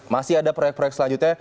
masih ada proyek proyek selanjutnya